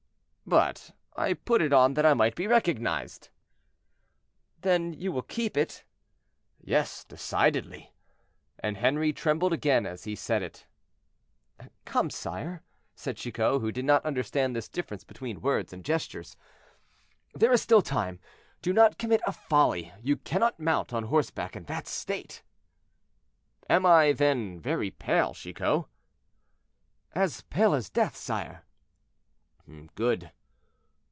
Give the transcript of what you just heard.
"But I put it on that I might be recognized." "Then you will keep it?" "Yes, decidedly." And Henri trembled again as he said it. "Come, sire," said Chicot, who did not understand this difference between words and gestures, "there is still time; do not commit a folly; you cannot mount on horseback in that state." "Am I, then, very pale, Chicot?" "As pale as death, sire." "Good."